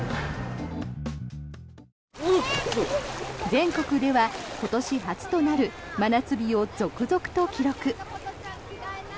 全国では今年初となる真夏日を続々と記録。